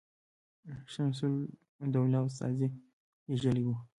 شمس الدوله استازی لېږلی وو.